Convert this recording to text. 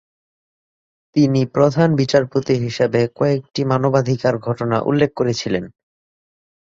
তিনি প্রধান বিচারপতি হিসাবে কয়েকটি মানবাধিকারের ঘটনা উল্লেখ করেছিলেন।